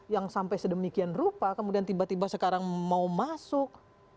yang sampai sedemikian rupa kemudian tiba tiba sekarang mau masuk